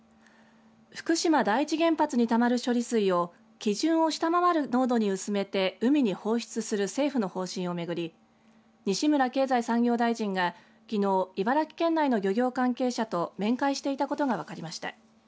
福島第一原発にたまる処理水を基準を下回る濃度に薄めて海に放出する政府の方針を巡り西村経済産業大臣がきのう茨城県内の漁業関係者と面会していたことが分かりました。